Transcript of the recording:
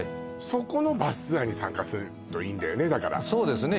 そこのバスツアーに参加するといいんだよねだからそうですね